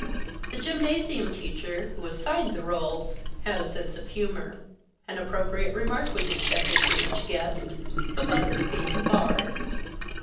The gymnasium teacher who assigned the rôles, had a sense of humor. An appropriate remark was expected from each guest, the weather being barred.